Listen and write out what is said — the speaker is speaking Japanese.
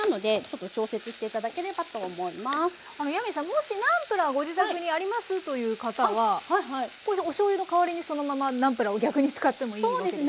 もしナンプラーご自宅にありますという方はおしょうゆの代わりにそのままナンプラーを逆に使ってもいいわけですか？